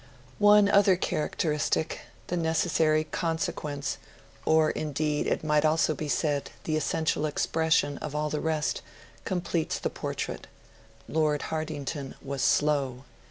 One other characteristic the necessary consequence, or, indeed, it might almost be said, the essential expression, of all the rest completes the portrait: Lord Hartington was slow.